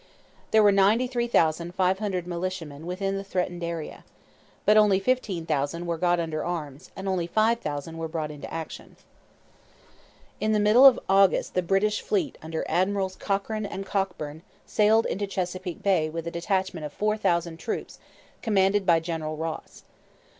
There were 93,500 militiamen within the threatened area. But only fifteen thousand were got under arms; and only five thousand were brought into action. In the middle of August the British fleet under Admirals Cochrane and Cockburn sailed into Chesapeake Bay with a detachment of four thousand troops commanded by General Ross.